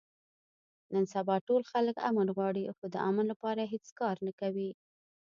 نن سبا ټول خلک امن غواړي، خو د امن لپاره هېڅ کار نه کوي.